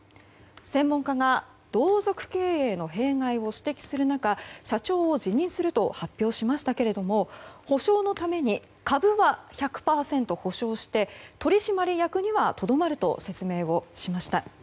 専門家が同族経営の弊害を指摘する中社長を辞任すると発表しましたけれども補償のために株は１００％保有して取締役にはとどまると説明をしました。